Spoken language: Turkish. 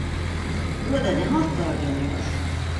Burada ne haltlar dönüyor?